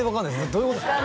どういうことですか？